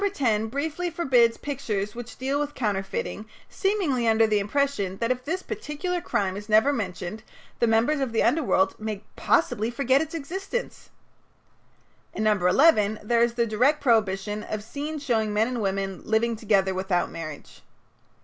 No. 10 briefly forbids pictures which deal with counterfeiting, seemingly under the impression that if this particular crime is never mentioned the members of the underworld may possibly forget its existence. In No. 11 there is the direct prohibition of "scenes showing men and women living together without marriage."